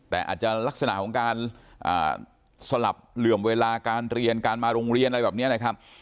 แต่อาจจะลักษณะของการสลับเหลื่อมเวลาการเรียนการมาโรงเรียนอะไรแบบนี้นะครับ